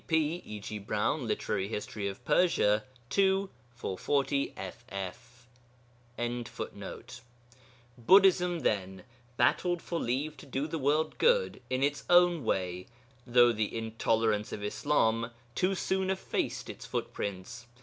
Cp. E. G. Browne, Lit. Hist. of Persia, ii. 440 ff.] Buddhism, then, battled for leave to do the world good in its own way, though the intolerance of Islam too soon effaced its footprints.